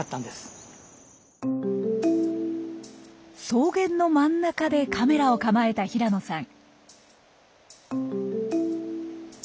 草原の真ん中でカメラを構えた平野さん。